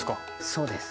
そうです。